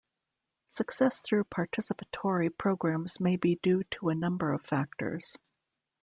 Success through participatory programs may be due to a number of factors.